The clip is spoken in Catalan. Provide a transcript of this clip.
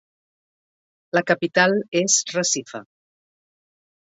La capital és Recife.